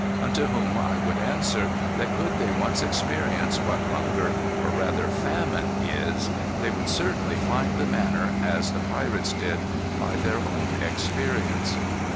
Unto whom I would answer that could they once experience what hunger, or rather famine is, they would certainly find the manner, as the pirates did, by their own experience."